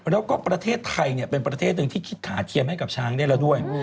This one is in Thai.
แล้วก็ประเทศไทยเป็นประเทศหนึ่งที่คิดขาเทียมให้กับช้างได้แล้วด้วย